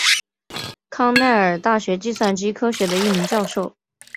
康奈尔大学计算机科学的一名教授。